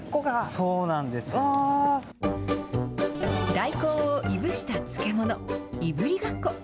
大根をいぶした漬物、いぶりがっこ。